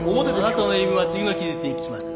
あなたの言い分は次の期日に聞きます。